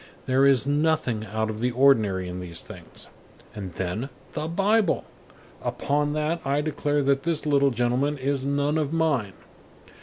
There is nothing out of the ordinary in these things. And then, the Bible! Upon that I declare that this little gentleman is none of mine.